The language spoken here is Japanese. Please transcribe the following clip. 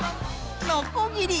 のこぎり。